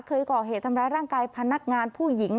เคยก่อเหตุทำร้ายร่างกายพนักงานผู้หญิง